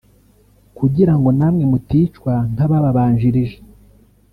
kugirango namwe muticwa nk’ababanjirije